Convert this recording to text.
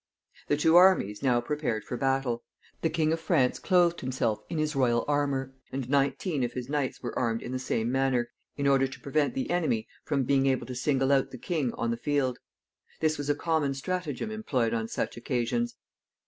The two armies now prepared for battle. The King of France clothed himself in his royal armor, and nineteen of his knights were armed in the same manner, in order to prevent the enemy from being able to single out the king on the field. This was a common stratagem employed on such occasions.